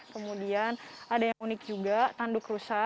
kemudian ada yang unik juga tanduk rusak